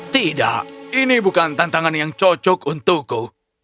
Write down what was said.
tidak ini bukan tantangan yang cocok untukku